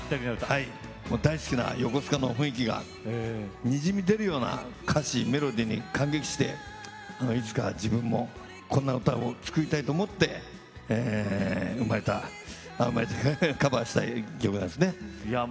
大好きな横須賀の雰囲気がにじみ出るような歌詞、メロディーに感激していつか自分もこんな歌を作りたいと思って生まれたカバーした曲ですね。